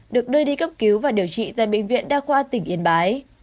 được đưa đi cấp cứu và điều trị tại bệnh viện đa khoa tỉnh yên bái